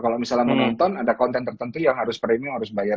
kalau misalnya menonton ada konten tertentu yang harus premium harus bayar